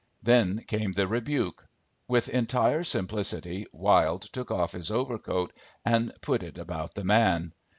Then came the rebuke. With entire simplicity Wilde took off his overcoat and put it about the man.